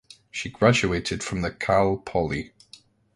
She graduated from the Cal Poly.